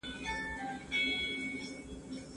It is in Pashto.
تاسو بايد تل د حق ملاتړ وکړئ.